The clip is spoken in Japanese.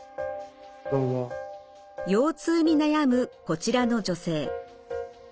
腰痛に悩むこちらの女性。